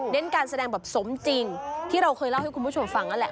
การแสดงแบบสมจริงที่เราเคยเล่าให้คุณผู้ชมฟังนั่นแหละ